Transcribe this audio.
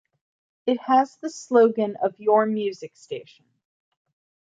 It has the slogan of Your Music Station.